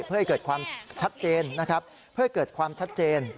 เพื่อให้เกิดความชัดเจนนะครับ